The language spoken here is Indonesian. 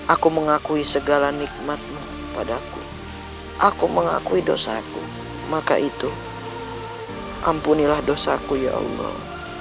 aku mengakui segala nikmatmu padaku aku mengakui dosaku maka itu ampunilah dosaku ya allah